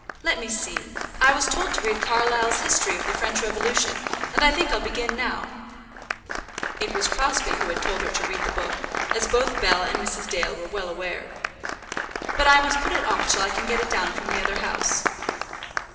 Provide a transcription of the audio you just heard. Let me see: I was told to read Carlyle's History of the French Revolution, and I think I'll begin now." It was Crosbie who had told her to read the book, as both Bell and Mrs. Dale were well aware. "But I must put it off till I can get it down from the other house."